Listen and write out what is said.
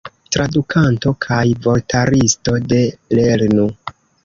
Tradukanto kaj vortaristo de Lernu!.